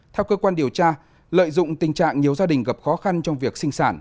theo cơ quan điều tra lợi dụng tình trạng nhiều gia đình gặp khó khăn trong việc sinh sản